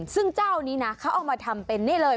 ซึ่งเจ้านี้นะเขาเอามาทำเป็นนี่เลย